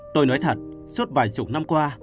tôi nói thật suốt vài chục năm qua